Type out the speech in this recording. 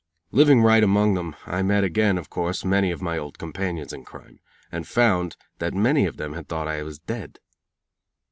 '" Living right among them, I met again, of course, many of my old companions in crime, and found that many of them had thought I was dead.